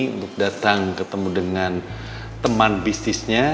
untuk datang ketemu dengan teman bisnisnya